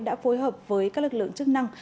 đã phối hợp với các lực lượng chức năng